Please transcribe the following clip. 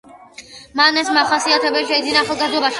მან ეს მახასიათებლები შეიძინა ახალგაზრდობაში.